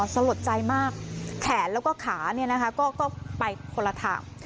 สลดใจมากแขนแล้วก็ขาเนี่ยนะคะก็ก็ไปคนละทาง